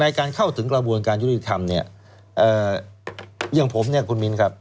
การเข้าถึงกระบวนการยุติธรรมเนี่ยเอ่ออย่างผมเนี่ยคุณมิ้นครับ